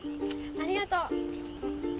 ありがとう。